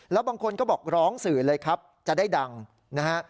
แล้วบางคนก็บอกร้องสื่อเลยครับจะได้ดังนะฮะ